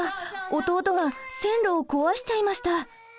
弟が線路を壊しちゃいました。